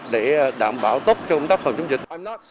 để đảm bảo tốt cho công tác phòng chống dịch